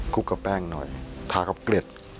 ลุกกับแป้งหน่อยทากับเกล็ด